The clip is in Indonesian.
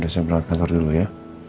saya berangkat kantor dulu ya